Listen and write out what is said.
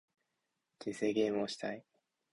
人生ゲームをしたい